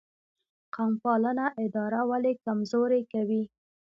قوم پالنه اداره ولې کمزورې کوي؟